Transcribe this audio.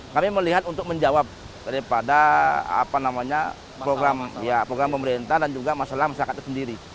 kami melihat untuk menjawab daripada program pemerintah dan juga masalah masyarakat itu sendiri